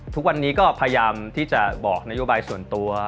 ทุกวันนี้ก็พยายามที่จะบอกนโยบายส่วนตัว